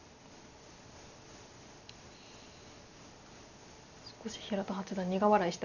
少し平田八段苦笑いしてますか？